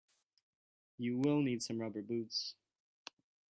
You will need some rubber boots.